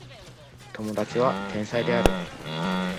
友達は天才である